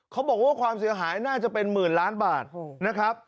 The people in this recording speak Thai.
เขาบอกว่าความเสียหายน่าจะเป็นหมื่นล้านบาทนะครับ